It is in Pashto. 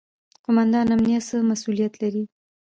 قوماندان امنیه څه مسوولیت لري؟